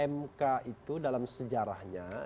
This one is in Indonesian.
mk itu dalam sejarahnya